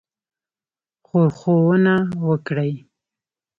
ښورښونه وکړي.